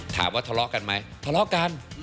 ทะเลาะกันไหมทะเลาะกัน